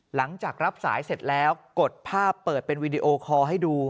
หลังจากรับสายเสร็จแล้วกดภาพเปิดเป็นวีดีโอคอร์ให้ดู